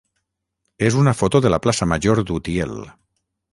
és una foto de la plaça major d'Utiel.